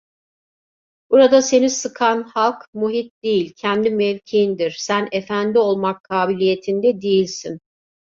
Burada seni sıkan, halk, muhit değil kendi mevkiindir; sen efendi olmak kabiliyetinde değilsin…